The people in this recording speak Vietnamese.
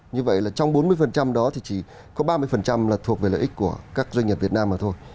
như vậy là trong bốn mươi phần trăm đó thì chỉ có ba mươi phần trăm là thuộc về lợi ích của các doanh nghiệp việt nam mà thôi